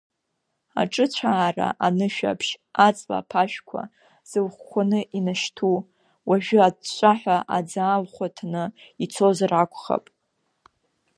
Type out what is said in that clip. Аҿыцәаара анышәаԥшь, аҵла аԥашәқәа зылхәхәаны инашьҭу, уажәы аҵәҵәаҳәа аӡы алхәаҭаны ицозар акәхап…